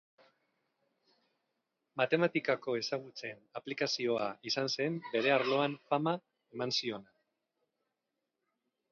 Matematikako ezagutzen aplikazioa izan zen bere arloan fama eman ziona.